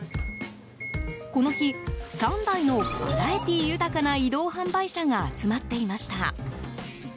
この日、３台のバラエティー豊かな移動販売車が集まっていました。